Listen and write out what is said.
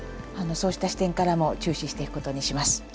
そうした視点からも注視していく事にします。